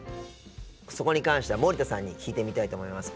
そこに関しては森田さんに聞いてみたいと思います。